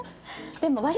でも。